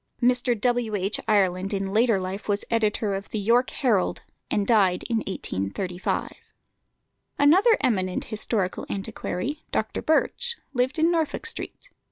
Mr. W. H. Ireland in later life was editor of the York Herald, and died in 1835. Another eminent historical antiquary, Dr. Birch, lived in Norfolk Street.